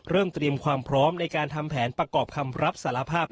เตรียมความพร้อมในการทำแผนประกอบคำรับสารภาพ